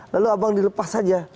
lalu abang dilepas saja